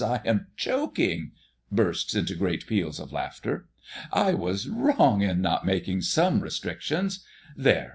I am choking! [Bursts into great peals of laughter.] I was wrong in not making some restrictions. There!